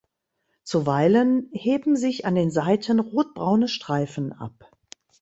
Zuweilen heben sich an den Seiten rotbraune Streifen ab.